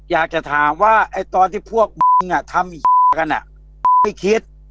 อยากจะถามว่าตอนที่พวกทำกันไม่คิด